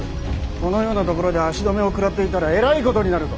このような所で足止めを食らっていたらえらいことになるぞ。